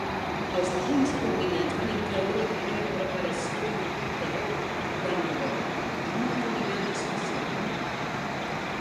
Els punts culminants van incloure la primera reparació de l'orbitador durant el vol, en una caminada espacial.